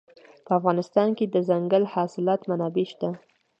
په افغانستان کې د دځنګل حاصلات منابع شته.